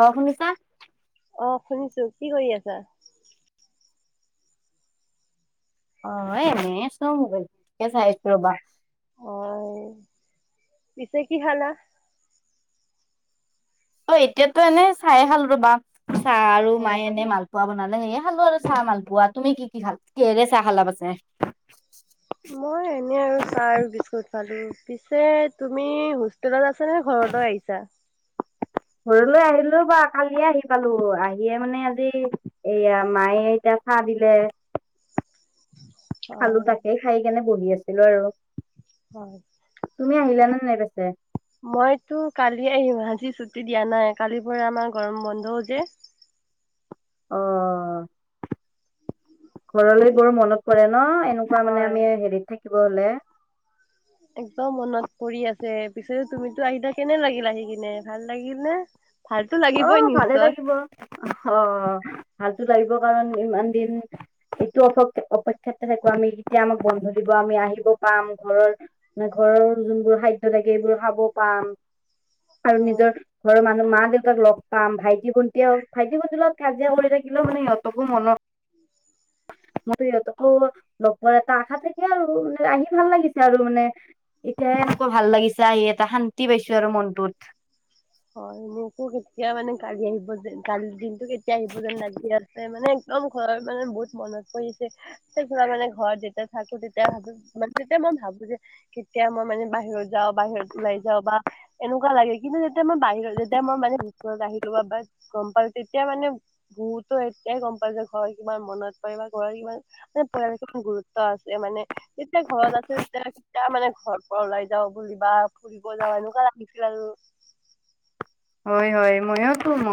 অ', শুনিছা? অ', শুনিছোঁ কি কৰি আছা? অ', এনে আছোঁ মোবাইলটোকে চাই আছোঁ ৰ'বা। হয় পিছে কি খালা? অ', এতিয়াতো এনে চাইে খালোঁ ৰ'বা। চাহ আৰু মায়ে এনে হয় মালপু পুৱা বনালে হেয়াই খালোঁ আৰু চাহ মালপোৱা। তুমি কি, কি খালা, কিহেৰে চাহ খালা পাছে? মই এনে আৰু। চাহ আৰু বিস্কুট খালো। পিছে তুমি হোষ্টেলত আছ -ছানে? ঘৰতো আহিছা? ঘৰলৈ আহিলো বা কালিয়ে আহি পালো। আহিয়ে মানে আজি এইয়া মায়ে এতিয়া চাহ দিলে। খালো। হয় তাকেই খাই কেনে বহি আছিলো আৰু। হয়। তুমি আহিলানে নাই পেছে? মইতো কালি আহিম। আজি ছুটি দিয়া নাই। কালিৰ পৰা আমাৰ গৰম বন্ধও যে। অহ। ঘৰলৈ গঘ মনত পৰে ন। এনেকুৱা মানে হয় আমি হেৰিত থাকিব হলে একদম মনত পৰি আছে। পিছে তুমিতো আহিলা, কেনে লাগিল আহি কিনে? ভাল লাগিল নে? ভালতো লাগিবই নিশ্চয়। অহ। ভালতো লাগিব কাৰণ ইমান দিন সেইটো অপ অপেক্ষাত থাকো আমি। কেতিয়া আমাক বন্ধ দিব, আমি আহিব পাম। ঘৰৰ মানে ঘৰৰ যোনবোৰ খাদ্য থাকে, সেইবোৰ খাব পাম। আৰু হয় নিজৰ ঘৰৰ মানুহ মা- দেউত লগ পাম। ভাইটি-ভন্টিও, ভাইটি-ভন্টি লগত কাজিয়া কৰি থাকিলেও মানে সিহঁতকো মনত মোৰো সিহঁতকো লগ পোৱাৰ এটা আশা থাকে আৰু। আহি ভাল লাগিছে। আৰু মানে এতিয়াহে আকৌ ভাল লাগিছে। আহি ইয়াতে শান্তি পাইছো আৰু মনটোত। হয় মোকো কেতিয়া মানে কালি আহিব যেন, কালি দিনটো কেতিয়া আহিব যেন লাগি আ [unintelligible] মানে একদম ঘৰৰ মানে বহুত মনত পৰিছে। [unintelligible] মানে ঘৰত যেতিয়া থাকো তেতিয়া ভাবো, মানে তেতিয়া মই ভাবো যে কেতিয়া মই মানে বাহিৰত যাওঁ। বাহিৰত ওলাই যাও বা এনেকুৱা লাগে কিন্তু যেতিয়া মই বাহিৰত, যেতিয়া মই মানে [unintelligible] আহিলো বা গম পালো তেতিয়া মানে বহুতো এতিয়াই গ'ম পাই যে ঘৰৰ কিমান মনত পৰে বা ঘৰৰ কিমান [unintelligible] পৰিয়ালটোৰ গুৰুত্ব আছে মানে তেতিয়া ঘৰত আছো, তেতিয়া- তেতিয়া মানে ঘৰ পৰা ওলাই যাও বুলি বা ঘূৰিব যাওঁ এনেকুৱা লাগিছিল আৰু। হয়। হয়। মইয়োটো ম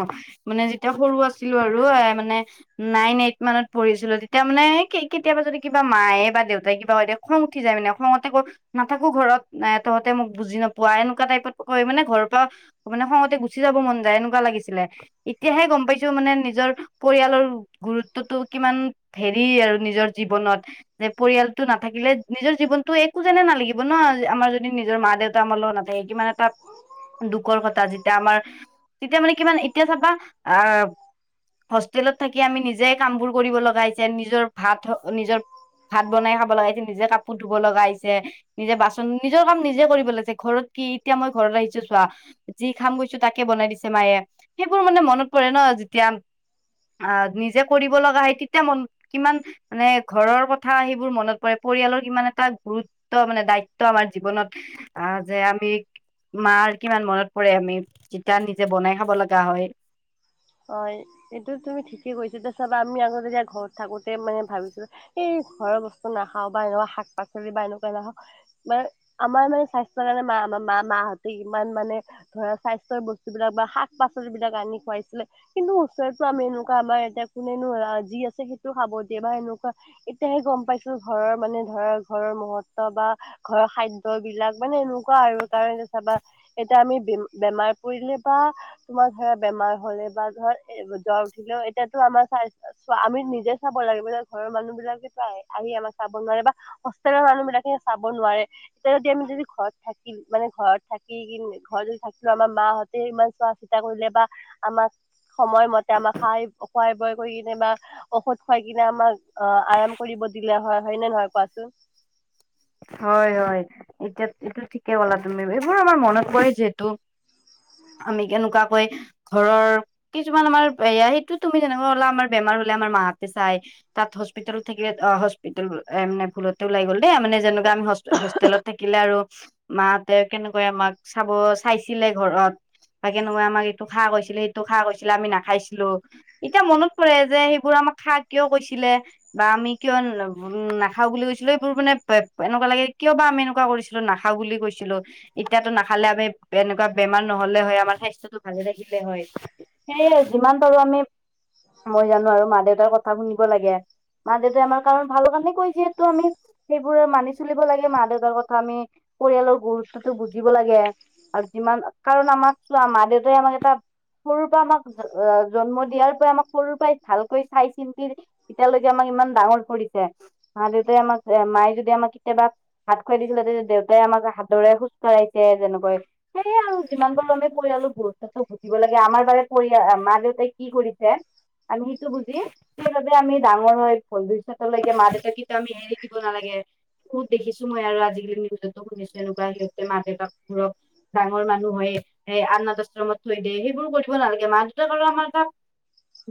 মানে যেতিয়া সৰু আছিলো আৰু এ মানে নাইন, এইট মানত পঢ়িছিলো। তেতিয়া মানে কে কেতিয়াবা যদি কিবা মায়ে বা দেউতাই কিবা কয় দে খং উঠি যায় মানে। খঙতে গৈ নাথাকো ঘৰত। এ তহঁতে মোক বুজি নোপোৱা এনেকুৱা টাইপত কৈ মানে ঘৰৰ পৰা মানে খঙত [unintelligible] গুচি যাব মন যায়, এনেকুৱা লাগিছিলে। এতিয়াহে গম পাইছো মানে নিজৰ পৰিয়ালৰ গুৰুত্বটো কিমান হেৰি আৰু নিজৰ জীৱনত যে পৰিয়ালটো নাথাকিলে নিজৰ জীৱনতো একো যেনে নালাগিব ন। আমাৰ যদি নিজৰ মা- দেউত -তা যদি আমাৰ লগত নাথাকে কিমান এটা দুখৰ কথা যি এতিয়া আমাৰ, তেতিয়া মানে কিমান, এতিয়া চাবা আহ হোষ্টেলত থাকি আমি নিজে কামবোৰ কৰিব লগা হৈছে। নিজৰ ভাত নিজৰ ভাত বনাই খাব লগা হৈছে। নিজে কাপোৰ ধুব লগা হৈছে। নিজে বাচন, নিজৰ কাম নিজে কৰিব লাগিছে। ঘৰত কি, এতিয়া মই ঘৰত আহিছো চোৱা -যি খাম কৈছো তাকে বনাই দিছে মায়ে। সেইবোৰ মানে মনত পৰে ন। যেতিয়া আহ নিজে কৰিব লগা হয়। তেতিয়া মন -কিমান মানে ঘৰৰ কথা সেইবোৰ মনত পৰে। পৰিয়ালৰ কিমান এটা গুৰুত্ব মানে দায়িত্ব আমাৰ জীৱনত। আহ যে আমি মাৰ কিমান মনত পৰে। আমি তিতয়া নিজে বনাই খাব লগা হয়। হয়। এইটো তুমি ঠিকেই কৈছা। যে চাবা আমি আগত যেতিয়া ঘৰত থাকোতে মানে ভাবিছো এই ঘৰৰ বস্তু নাখাওঁ, বা এনেকুৱা শাক-পাচলি বা এনেকুৱা নাখাওঁ মান আমাৰ মানে স্বাস্থ্যৰ কাৰণে মা আমাৰ মা -মাহঁতে ইমান মানে ধৰা স্বাস্থ্যৰ বস্তুবিলাক বা শাক পাচলিবিলাক আনি খুৱাইছিলে। কিন্তু হোষ্টেলতো আমি এনেকুৱা আমাৰ এতিয়া কোনেনো যি আছে, সেইটো খাব দিয়ে। বা এনেকুৱা এতিয়াহে গম পাইছো ঘৰৰ মানে ধৰ ঘৰৰ মহহত্ত বা ঘৰৰ খাদ্য বিলাক মানে এনেকুৱা আৰু কাৰণ এতি চাবা এতিয়া আমি বেমাৰ পৰিলে বা তোমাৰ ধৰা বেমাৰ হলে বা ধৰ এ জ্বৰ উঠিলেও এতিয়াতো আমাৰ স্বাস্থ্য চ আমি নিজে চাব লাগে ঘৰৰ মানুহ বিলাকে আহি আমাৰ চাব নোৱাৰে বা হোষ্টেলৰ মানুহ বিলাকে চাব নোৱাৰে এতিয়া যদি আমি যদি ঘৰত থাকি মানে ঘৰত থাকি কি ঘৰত যদি থাকিলো আমাৰ মাহঁতে ইমান চোৱা চিতা কৰিলে বা আমাক সময়মতে আমাৰ খাই খোৱাই বয় কৰি কেনে বা ঔষধ খুৱাই কিনে আমাক অ আৰাম কৰিব দিলে হয় হয় নে নহয় কোৱাচোন। হয় হয় এতিয়া এইটো ঠিকে ক'লা তুমি এইবোৰ আমাৰ মনত পৰে যিহেতু আমি কেনেকুৱাকৈ ঘৰৰ কিছুমান আমাৰ এ সেইটো তুমি যেনেকুৱা হলা আমাৰ বেমাৰ হ'লে আমাৰ মাহতে চাই। তাত হস্পিতেেল থাকিলে অ হস্পিতেল মানে ভুলতে ওলাই গ'লে মানে যেনেকুৱা আমি হোষ্টেলত থাকিলে আৰু মাহঁতে কেনেকৈ আমাক চাব চাইছিলে ঘৰত। বাক কেনেকুৱা আমাক এইটো খা কৈছিলে সেইটো খা কৈছিলে আমি নাখাইছিলো। এতিয়া মনত পৰে যে সেইবোৰ আমাক খা কিয় কৈছিলে। বা আমি কিয় উম নাখাও বুলি কৈছিলো এইবোৰ মানে এনেকুৱা লাগে কিয় বা আমি এনেকুৱা কৰিছিলো নাখা বুলি কৈছিলো। এতিয়াতো নাখালে আমি এনেকুৱা বেমাৰ নহলে হয় আমাৰ স্বাস্থ্য়তটো ভালে ৰাখিলে হয়। সেই যিমান পাৰো আমি মই জানো আৰু মা দেউতাৰ কথা শুনিব লাগে। মা দেউতেমাৰ কাৰণ ভালৰ কাৰণে কৈ যিহেতু আমি সেইবোৰৰে মানি চলিব লাগে মা দেউতাৰ কথা আমি পৰিয়ালৰ গুৰুত্বতো বুজিব লাগে। আৰু যিমান কাৰণ আমাক চোৱা মা দেউতাই আমাক এটা সৰুৰ পৰা আমাক জন্ম দিয়াৰ পৰা আমাক সৰু পৰাই ভালকৈ চাই চিন্তি এতিয়ালৈকে আমাক ইমান ডাঙৰ পৰিছে মা দেউতাই আমাক এ মায়ে যদি আমাক কেতিয়াবা হাত খুৱাই দিছিলে তেয়া দেউতাই আমাক হাতৰে খোজকাঢ়িছে যেনেকৈ। সেয়ে আৰু যিমান গাৰো আমি পৰিালো ঘৰু দিব লাগে আমাৰ বাৰে পৰি মা দেউতাই কি কৰিছে। আমি সেইটো বুজি সেইবাবে আমি ডাঙৰ হয় ভ চতলৈকে মা দেউতাকো আমি হেৰি দিব নালাগে খুত দেখিছো মই আৰু আজিকালি নিউজতো শুনিছো এনেকুৱা সিহঁতে মা দেউতাকুৰক ডাঙৰ মানুহ হয় এ আন্নাথ আশ্ৰমত থৈ দিয়ে সেইবোৰ কৰিব নালাগে মা দেউতাক ঘ আমাৰ ত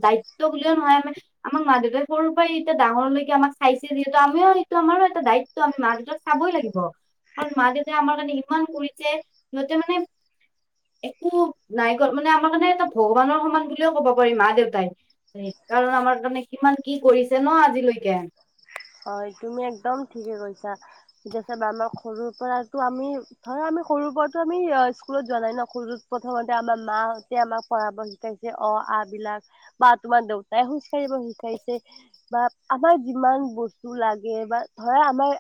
দায়িত্ব বুলিুলিয়ও নহয় আমি আমাক মা দেউতাই সৰুৰ পৰাই এতিয়া ডাঙৰলৈকে আমাক চাইছে যিহেতু আমিও টো আমাৰো এটা দায়িত্ব আমি মা দেউতাক চাবই লাগিব। আৰু মা দেউতাই আমাৰ কাৰণে ইমান কৰিছে সিহঁতে মানে একো নাই ক মানে আমাৰ কাৰণে এটা ভগৱানৰ সমান বুলিুলও কব পাৰি মা দেউতাই। সেইকাৰণে আমাৰ মানে কিমান কি কৰিছে ন আজিলৈকে। হয় তুমি একদম ঠিকে কৈছা ঠিক আছে আমাক সৰুৰ পৰাতটো আমি ধৰ আমি সৰুৰ পৰাৰতো আমি স্কুলত যোৱা নাই ন সৰুত প্ৰথমতে আমাৰ মাহঁতে আমাক পঢ়াব শিকাইছে অ আ বিলাক বা তোমাৰ দেউতাই খোজ কাঢ়িব সোজকাঢ়িছে। বা আমাৰ যিমান বস্তু লাগে বা ধৰা আমাৰ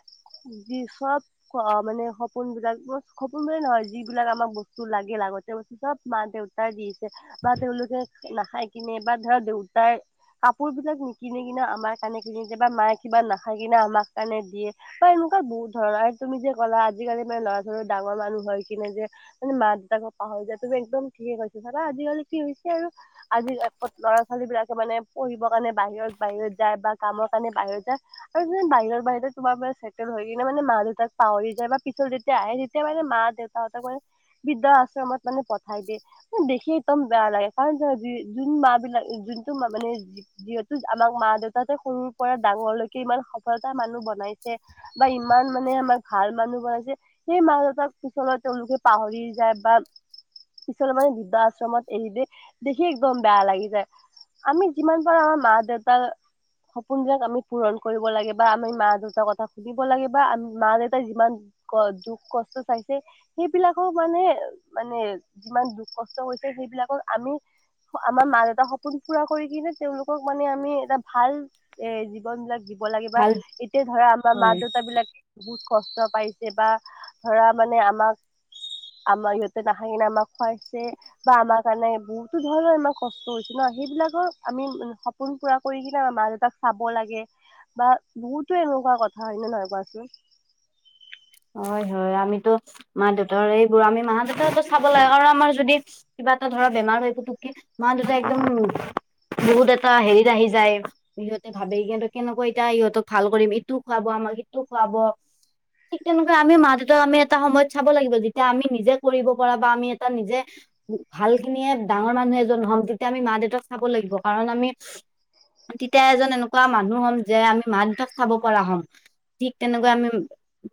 যি চব অ' মানে সপোন বিলাক সপোন বো নহয় যিবিলাক আমাক বস্তু লাগে লাগতে বস্তু চব মা দেউতা দিছে বা তেওঁলোকে নাখাই কিনে বা ধৰক দেউতাৰ কাপোৰ বিলাক নিকিনি কিনে আমাৰ কাৰণে কিনি যে বা মায়ে কিবা নাখাই কিনে আমাক কাৰণে দিয়ে। বা এনেকুৱা বহুত ধৰণৰ আৰু তুমি যে ক'লা আজিকালি মানে ল'ৰা ছোৱালী ডাঙৰ মানুহ হয় কিনে যে মানে মা দেউতাকো পাহৰি যায় তুমি একদম ঠিকে কৈছা চাবা আজিকালি কি হৈছে আৰু। আজি ল'ৰা ছোৱালী বিলাকে মানে পঢ়িবৰ কাৰণে বাহিৰত বাহিৰত যায় বা কামৰ কাৰণে বাহিৰত যায়। আৰুনে বাহিৰৰ বাহিৰতে তোমাৰ পৰা চছেটেল হৈ কিনে মানে মা দেউতাক পাহৰি যায় বা পিছত যেতিয়া আহে তেতিয়া মানে মা দেউতা ত ম বিদ্যা আশ্ৰমত মানে পঠাই দিয়ে ম দেখি একদম বেয়া লাগে কাৰ চ য যোন ম বি যোনটোোন ম মে যিহেতু আমাক মা দেউতাতে সৰুৰ পৰা ডাঙৰলৈ কি ইমান সফলতা মানুহ বনাইছে বা ইমান মানে আমাৰ ভাল মানুহ বনাইছে সেই মা দেউতাক পিছলৈত তেওঁলোকে পাহৰি যায় বা পিছলৈ মানে বৃদ্ধ আশ্ৰমত এৰি দ দেখি একদম বেয়া লাগি যায়। আমি যিমান পাৰো আমাৰ মা দেউতাৰ সপোনবিলাক আমি পূৰণ কৰিব লাগে বা আমি মা দেউতাৰ কথা সুনিব লাগিব বা আমি মা দেউতাই যিমান ক দুখ কষ্ট পাইছে। সেইবিলাকক মানে মানে যিমান দুখ কষ্ট হৈছে সেইবিলাকক আমি আমাৰ মা দেউতাৰ সপোন পুৰা কৰি কিনে তেওঁলোকক মানে আমি এটা ভাল এ বন বিলাক দিব লাগে বা ভাল এতিয়া ধৰা আমাৰ মা হয় দেউতা বিলাক বহুত কষ্ট পাইছে বা ধৰা মানে আমাক আমাৰ ইহঁতে নাখায়কিনে আমাক খুৱাইছে। বা আমাৰ কাৰণে বহুতো ধৰণৰ ইমান কষ্ট হৈছে ন সেইবিলাকৰ আমি চাব সপোন পুৰা কৰি কিনে মা দেউতাক চাব লাগে বা বহুতো এনেকুৱা কথা হয় নে নহয় কোৱাচোন। হয় হয় আমিতো মা দেউতাৰ এইবোৰ আমি মা দেউতাকো চাব লাগে আৰ আমাৰ যদি কিবা এটা ধৰা বেমাৰ হৈ পুটুক কে মা দেতাই একদম বহুত এটা হেৰিত আহি যায়। সিহঁতে ভাবে কিন্তু কেনেকুৱা এতিয়া সিহঁতক ভাল কৰিম ইটো খুৱাব আমাক ইটো খুৱাব। ঠিক তেনেকুৱা আমি মা দেউতাক আমি এটা সময়ত চাব লাগিব যেতিয়া আমি নিজে কৰিব পৰা বা আমি এটা নিজে ভাল খিনিয়ে ডাঙৰ মানুহ এজন হ'ম তেতিয়া আমি মা দেউতাক চাব লাগিব কাৰণ আমি তেতিয়া এজন এনেকুৱা মানুহ হ'ম যে আমি মা দেউতাক চাব পৰা হ'ম। ঠিক তেনেকুৱা আমি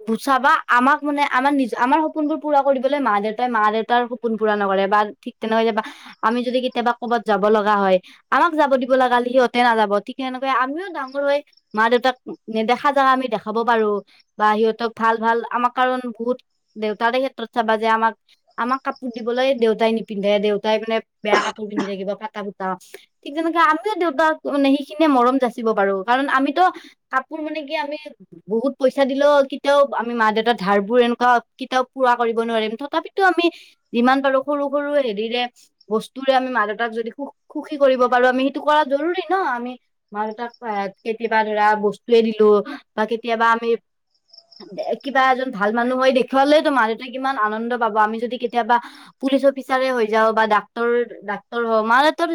বুচাবা আমাক মানে আমাৰ নি আমাৰ সপোনবোৰ পুৰা কৰিবলৈ মা দেউতাই মা দেউতাৰ সপোন পুৰা নকৰে বা ঠিক তেনেকৈ যোবা আমি যদি কেতিয়াবা কৰবাত যাব লগা হয়। আমাক যাব দিব লাগাহলে সিহঁতে নাযাব ঠিক তেনেকে আমিও ডাঙৰ হৈ মা দেউতাক নেদেখা জাগা আমি দেখাব পাৰো। বা সিহঁতক ভাল ভাল আমাক কাৰণ বহুত দেউতাৰে ক্ষেত্ৰত চাবা যে আমাক আমাক কাপোৰ দিবলৈ দেউতাই নিপিন্ধে দেউতাই মানে বেয়া কাপোৰ পিন্ধি থাকিব ফাটা ফুটা। ঠিক তেনেকে আমিও দেউতাক মানে সেইখিনিয়ে মৰম যাচিব পাৰো কাৰণ আমিতো কাপোৰ মানে কি আমি বহুত পইচা ইচ্ছা দিলেও কেতিয়াও আমি মা দেউতাৰ ধাৰ বোৰ এনেকুৱা কেতিয়াও পূৰা কৰিব নোৱাৰিম তথাপিতো আমি যিমান পাৰো সৰু সৰু হেৰিৰে বস্তুৰে আমি মা দেউতাক যদি সুখ সুখী কৰিব পাৰো আমি সেইটো কৰা জৰুৰী ন আমি মা দেউতাক কেতিয়াবা ধৰা বস্তুৱে দিলো বা কেতিয়াবা আমি কিবা এজন ভাল মানুহ হই দেখুৱালেতো মা দেউতাই কিমান আনন্দ পাব আমি যদি কেতিয়াবা পুলিচ অফিচাৰে হৈ যাও বা ডাক্তৰ ডাক্তৰ হও মাৰ তৰ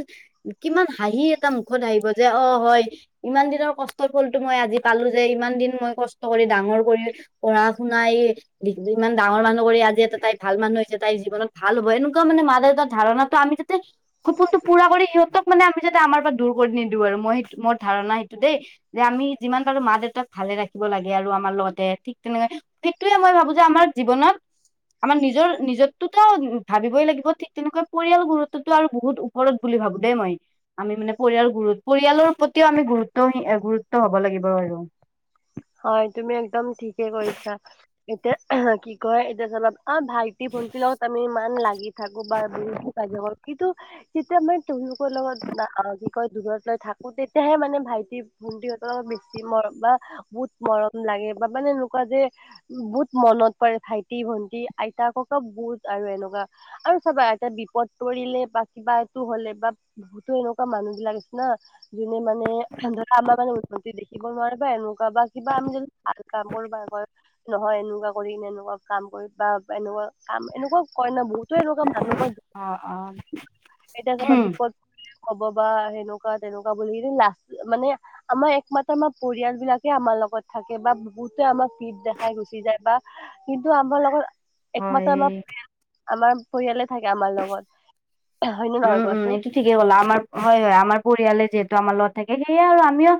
কিমান হাঁহি এটা মুখত আহিব যে অ হয় ইমান দিনৰ কষ্টৰ ফলটো মই আজি পালো যে ইমান দিন মই কষ্ট কৰি ডাঙৰ কৰি পঢ়া শুনাই ইমান ডাঙৰ মানুহ কৰি আজি এটা তাই ভাল মানুহ হৈছে তাই জীৱনত ভাল হ'ব এনেকুৱা মানে ম দেউতাৰ ধাৰণাটো আমি সপোনটো পুৰা কৰি সিহতক মানে আমি যাতে আমাৰ পৰা দূৰ কৰি নিদিওঁ আৰু মই সেইটো মোৰ ধাৰণা সেইটো দেই। যে আমি যিমান পাৰো মা দেউতাক ভালে ৰাখি ব লাগে আৰু আমাৰ লগতে ঠিক তেনেকে সেইটোৱে মই ভাবো যে আমাৰ জীৱনত আমাৰ নিজৰ নিজতোতো ভাবিবই লাগিব ঠিক তেনেকৈ পৰিয়াল গুৰুত্বতো আৰু বহুত উপ ৰত বুলি ভাবো দেই মই। আমি মানে পৰিয়াল গুৰুত পৰিয়ালৰ প্ৰতিও আমি গুৰুত্ব গুৰুত্ব হব লাগিব আৰু। হয় তুমি একদম ঠিকে কৰিছা এতিয়া কি কয় এতিয়া যে অলপ আ, ভাইটি ভণ্টিৰ লগত আমি ইমান লাগি থাকোঁ বা বহুতখিনি কাজিয়া কৰোঁ কিন্তু যেতিয়া মই [unintelligible] লগত কি কয় দূৰত লৈ থাকোঁ তেতিয়াহে মানে ভাইটি ভন্টিহঁতৰ বেছি মৰম বা বহুত মৰম লাগে বা মানে এনেকুৱা যে বহুত মনত পৰে ভাইটি, ভন্টি, আইতা, ককা বহুত আৰু এনেকুৱা। আৰু চাবা এতিয়া বিপদ পৰিলে বা কিবা এইটো হ'লে বা বহুতো এনেকুৱা মানুহবিলাক আছে না যোনে মানে ধৰা আমাৰ মানে উন্নতি দেখিব নোৱাৰে বা এনেকুৱা বা কিবা আমি যদি [inaudible] নহয়, এনেকুৱা কৰি এ, এনেকুৱা কাম কৰি বা এনেকুৱা কাম এনেকুৱা কৰে ন বহুতো এনেকুৱা জানো মই অ অ [unintelligible] এতিয়া চাবা বিপদ ক'ব বা সেনেকুৱা তেনেকুৱা বুলি কি লাষ্ট মানে আমাৰ একমাত্ৰ আমাৰ পৰিয়ালবিলাক আমাৰ লগত থাকে বা বহুতে আমাক পীঠ দেখাই গুচি যায় বা কিন্তু আমাৰ লগত একমাত্ৰ হয় [unintelligible] আমাৰ পৰিয়াল আমাৰ পৰিয়ালে থাকে আমাৰ লগত। হয়নে উম, নহয় উম কোৱাচোন? এইটো ঠিকেই ক'লা। আমাৰ হয়, হয়, আমাৰ পৰিয়ালে যিহেতু আমাৰ লগত থাকে, সেয়ে আৰু আমিও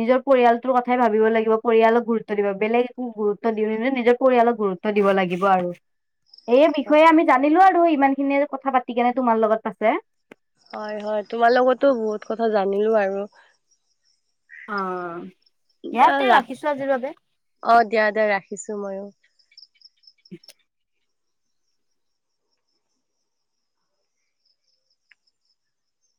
নিজৰ পৰিয়ালটোৰ কথাই ভাবিব লাগিব পৰিয়ালক গুৰুত্ব দিব বেলেগ একো গুৰুত্ব দি নি নিজৰ পৰিয়ালক গুৰুত্ব দিব লাগিব আৰু। [inaudible] এই বিষয়ে আমি জানিলোঁ আৰু ইমানখিনিয়ে কথা পাতি কেনে তোমাৰ লগত আছে। হয়, হয়, তোমাৰ লগতো বহুত কথা জানিলোঁ আৰু। অ', ইয়াতে আৰু ৰাখিছোঁ আজিৰ বাবে। অ', দিয়া, দিয়া ৰাখিছোঁ ময়ো। [inaudible]